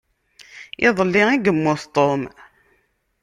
Iḍelli i yemmut Tom.